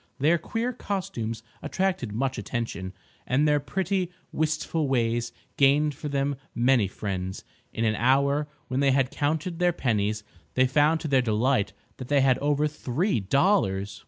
Their queer costumes attracted much attention, and their pretty, wistful ways gained for them many friends. In an hour, when they had counted their pennies, they found to their delight that they had over three dollars.